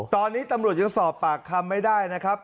ตอนนี้ตำรวจยังสอบปากคำไม่ได้นะครับ